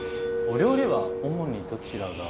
お料理は主にどちらが？